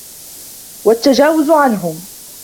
وَالتَّجَاوُزُ عَنْهُمْ